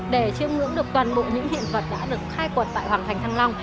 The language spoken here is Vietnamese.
để chiêm ngưỡng được toàn bộ những hiện vật đã được khai quật tại hoàng thành thăng long